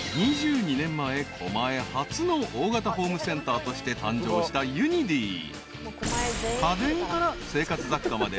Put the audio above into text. ［２２年前狛江初の大型ホームセンターとして誕生したユニディ］